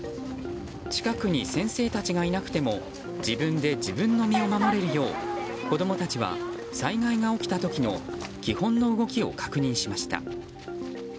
近くに先生たちがいなくても自分で自分の身を守れるよう子供たちは、災害が起きた時の基本の動きを確認しました。